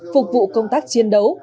phục vụ công tác chiến đấu